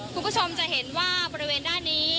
คุณผู้ชมจะเห็นว่าบริเวณด้านนี้